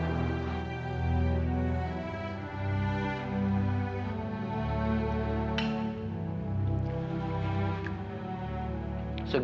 aku juga suka